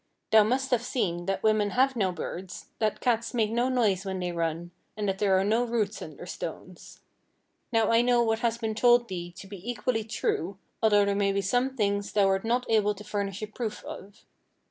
Thou must have seen that women have no beards, that cats make no noise when they run, and that there are no roots under stones. Now I know what has been told thee to be equally true, although there may be some things thou art not able to furnish a proof of."